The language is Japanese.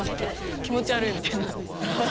気持ち悪いみたいな。